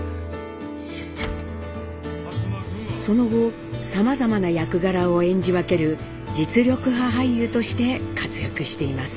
その後さまざまな役柄を演じ分ける実力派俳優として活躍しています。